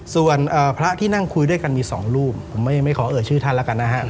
ส่วนพระที่นั่งคุยด้วยกันมีสองรูปผมไม่ขอเอ่ยชื่อท่านแล้วกันนะครับ